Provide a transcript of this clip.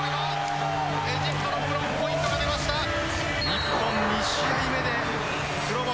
日本、２試合目で黒星。